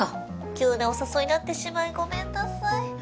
急なお誘いになってしまいごめんなさい